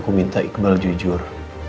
aku minta iqbal jujur